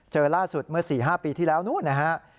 เจอล่าสุดเมื่อ๔๕ปีที่แล้วนู้นนะฮะ